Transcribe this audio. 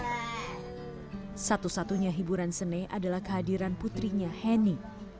salah satu satunya hiburan sene adalah kehadiran putrinya hini